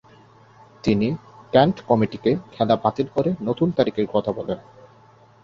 তিনি কেন্ট কমিটিকে খেলা বাতিল করে নতুন তারিখের কথা বলেন।